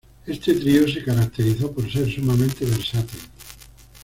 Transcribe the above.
Este trío se caracterizó por ser sumamente versátil.